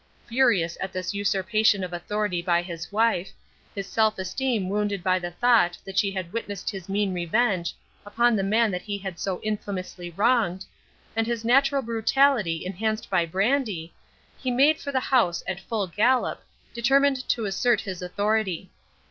Furious at this usurpation of authority by his wife, his self esteem wounded by the thought that she had witnessed his mean revenge upon the man he had so infamously wronged, and his natural brutality enhanced by brandy, he had made for the house at full gallop, determined to assert his authority.